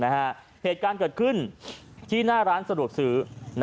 เหตุการณ์เกิดขึ้นที่หน้าร้านสะดวกซื้อ